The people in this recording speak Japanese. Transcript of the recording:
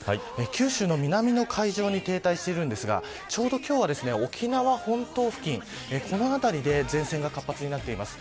九州の南の海上に停滞しているんですが、ちょうど今日は沖縄本島付近、この辺りで前線が活発になっています。